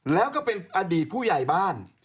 แล้วก็เป็นอดีตผู้ใหญ่บ้าน